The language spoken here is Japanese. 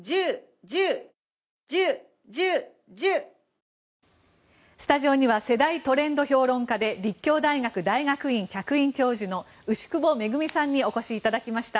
さまざまなパターンがあるようだがスタジオには世代・トレンド評論家で立教大学大学院客員教授の牛窪恵さんにお越しいただきました。